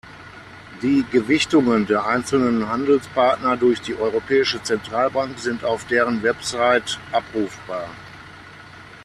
Die Gewichtungen der einzelnen Handelspartner durch die Europäische Zentralbank sind auf deren Website abrufbar.